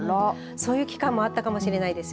そういう期間もあったかもしれないです。